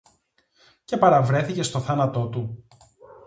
Και παραβρέθηκες στο θάνατο του;